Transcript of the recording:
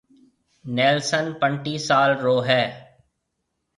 نيلسن پنٽِي سال رو ھيََََ